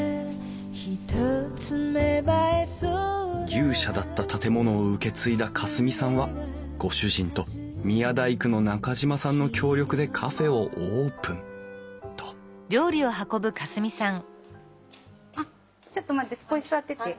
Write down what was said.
「牛舎だった建物を受け継いだ夏澄さんはご主人と宮大工の中島さんの協力でカフェをオープン」とここに座ってて。